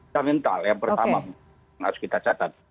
yang pertama harus kita catat